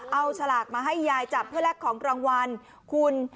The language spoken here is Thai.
เอาฉลากมาให้ยายจับเพื่อแลกของรางวัลคุณ